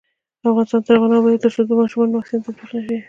افغانستان تر هغو نه ابادیږي، ترڅو د ماشومانو واکسین تطبیق نشي.